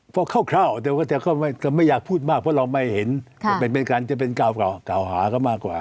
พอคร่าวแต่ก็ไม่อยากพูดมากเพราะเราไม่เห็นแต่เป็นการจะเป็นเก่าหาก็มากกว่า